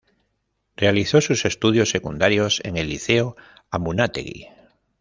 Realizó sus estudios secundarios en el Liceo Amunátegui.